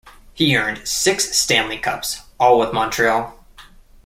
He earned six Stanley Cups, all with Montreal.